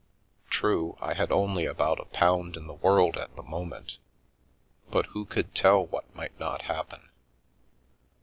True, I had only about a pound in the world at the moment, but who could tell what might not happen?